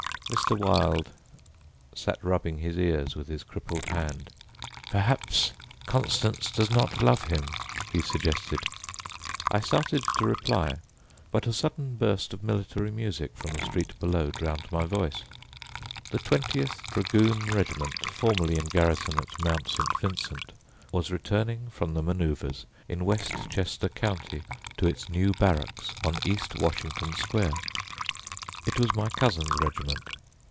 Mr. Wilde sat rubbing his ears with his crippled hand. "Perhaps Constance does not love him," he suggested. I started to reply, but a sudden burst of military music from the street below drowned my voice. The twentieth dragoon regiment, formerly in garrison at Mount St. Vincent, was returning from the manoeuvres in Westchester County, to its new barracks on East Washington Square. It was my cousin's regiment.